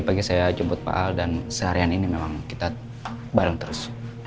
pagi saya jemput pak al dan seharian ini memang kita bareng terus